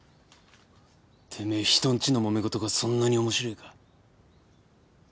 てめえ人んちのもめ事がそんなに面白えか。